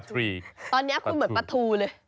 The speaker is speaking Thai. ตอนนี้คุณเหมือนปลาทูเลย